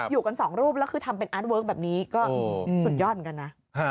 อยู่กันสองรูปแล้วคือทำเป็นอาร์ตเวิร์คแบบนี้ก็สุดยอดเหมือนกันนะ